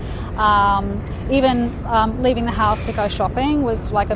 bahkan meninggalkan rumah untuk mencari penyelamatan